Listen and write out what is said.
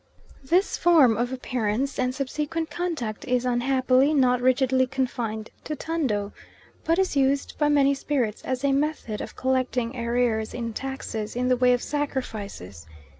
This form of appearance and subsequent conduct is, unhappily, not rigidly confined to Tando, but is used by many spirits as a method of collecting arrears in taxes in the way of sacrifices.